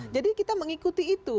jadi kita mengikuti itu